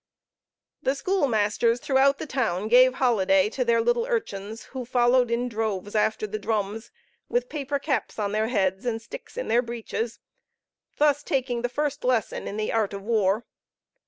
The schoolmasters throughout the town gave holiday to their little urchins who followed in droves after the drums, with paper caps on their heads and sticks in their breeches, thus taking the first lesson in the art of war.